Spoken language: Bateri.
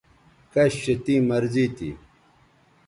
کش چہ تیں مرضی تھی